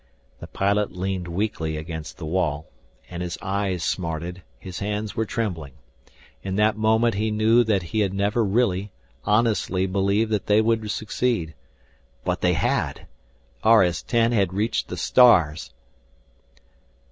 The pilot leaned weakly against the wall, and his eyes smarted, his hands were trembling. In that moment he knew that he had never really, honestly, believed that they would succeed. But they had! RS 10 had reached the stars!